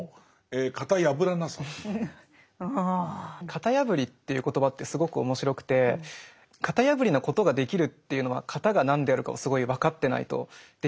型破りっていう言葉ってすごく面白くて型破りなことができるっていうのは型が何であるかをすごい分かってないとできないように思うんですよね。